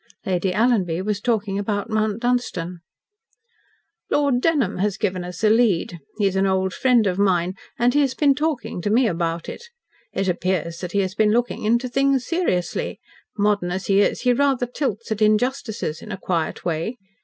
Lady Alanby was talking about Mount Dunstan. "Lord Dunholm has given us a lead. He is an old friend of mine, and he has been talking to me about it. It appears that he has been looking into things seriously. Modern as he is, he rather tilts at injustices, in a quiet way.